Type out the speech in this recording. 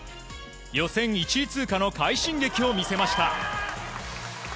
予選１位通過の快進撃を見せました。